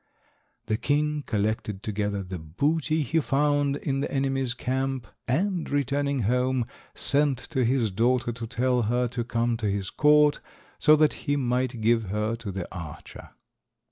The king collected together the booty he found in the enemy's camp, and, returning home, sent to his daughter to tell her to come to his court so that he might give her to the archer.